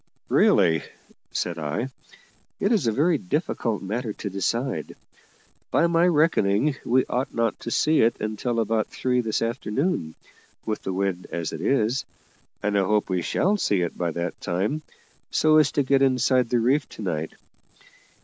"Really," said I, "it is a very difficult matter to decide. By my reckoning we ought not to see it until about three this afternoon, with the wind as it is; and I hope we shall see it by that time, so as to get inside the reef to night.